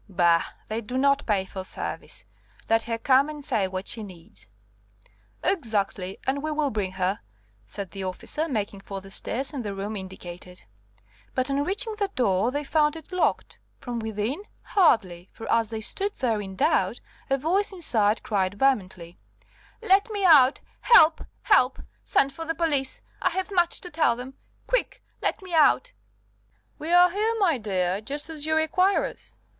"Bah! they do not pay for service; let her come and say what she needs." "Exactly; and we will bring her," said the officer, making for the stairs and the room indicated. But on reaching the door, they found it locked. From within? Hardly, for as they stood there in doubt, a voice inside cried vehemently: "Let me out! Help! Help! Send for the police. I have much to tell them. Quick! Let me out." "We are here, my dear, just as you require us.